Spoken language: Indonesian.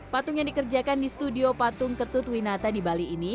patung yang dikerjakan di studio patung ketut winata di bali ini